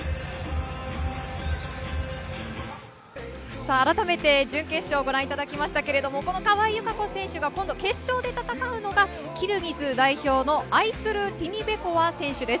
さあ、改めて、準決勝をご覧いただきましたけれども、この川井友香子選手が今度、決勝で戦うのが、キルギス代表のアイスルー・ティニベコワ選手です。